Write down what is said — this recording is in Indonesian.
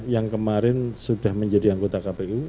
yang kemarin sudah menjadi anggota kpu